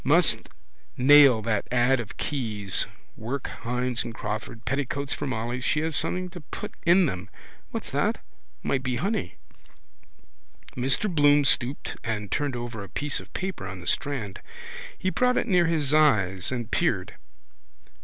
Must nail that ad of Keyes's. Work Hynes and Crawford. Petticoats for Molly. She has something to put in them. What's that? Might be money. Mr Bloom stooped and turned over a piece of paper on the strand. He brought it near his eyes and peered.